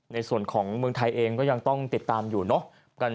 ในส่วนของเมืองไทยเองก็ยังต้องติดตามอยู่เนาะ